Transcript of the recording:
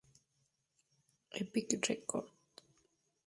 Epic Records.